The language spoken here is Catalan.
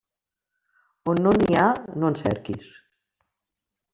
On no n'hi ha, no en cerquis.